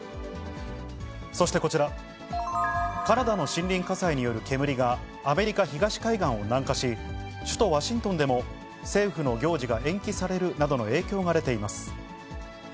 そしてこちら、カナダの森林火災による煙が、アメリカ東海岸を南下し、首都ワシントンでも政府の行事が延期されるなどの影響が出ています。